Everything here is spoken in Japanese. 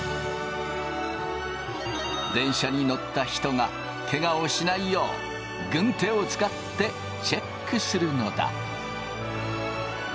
電車に乗った人がケガをしないよう軍手を使ってチェックするのだ。